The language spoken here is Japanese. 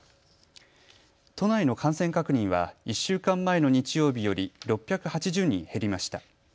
都内の感染確認は１週間前の日曜日より６８０人減りました。